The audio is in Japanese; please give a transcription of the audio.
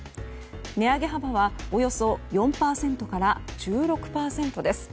値上げ幅はおよそ４％から１６％です。